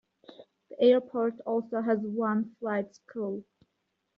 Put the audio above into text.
The airport also has one flight school.